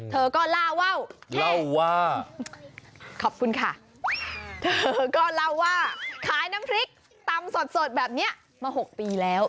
เธอก็ล่าว่าวเล่าว่าขอบคุณค่ะเธอก็เล่าว่าขายน้ำพริกตำสดสดแบบนี้มา๖ปีแล้ว